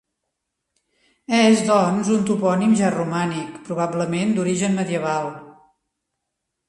És, doncs, un topònim ja romànic, probablement d'origen medieval.